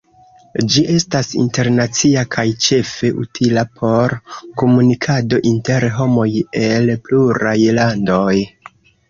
Ĝi estas internacia kaj ĉefe utila por komunikado inter homoj el pluraj landoj.